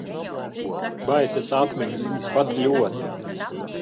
Baisas atmiņas. Pat ļoti.